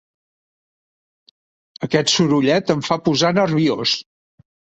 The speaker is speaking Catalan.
Aquest sorollet em fa posar nerviós.